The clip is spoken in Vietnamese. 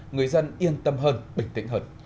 người dân yên tâm hơn bình tĩnh hơn